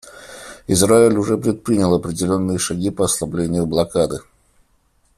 Израиль уже предпринял определенные шаги по ослаблению блокады.